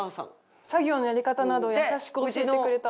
「作業のやり方などを優しく教えてくれた」。